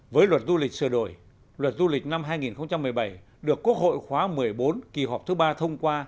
với luật du lịch sửa đổi luật du lịch năm hai nghìn một mươi bảy được quốc hội khóa một mươi bốn kỳ họp thứ ba thông qua